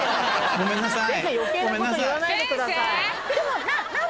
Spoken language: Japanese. ごめんなさい。